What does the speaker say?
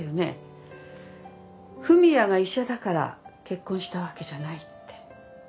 文也が医者だから結婚したわけじゃないって。